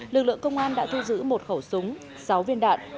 lực lượng công an đã thu giữ một khẩu súng sáu viên đạn